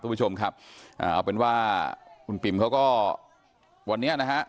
คุณผู้ชมครับอ่าเอาเป็นว่าคุณปิ๋มเขาก็วันนี้นะฮะ